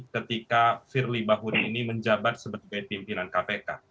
ketika firly bahuri ini menjabat sebagai pimpinan kpk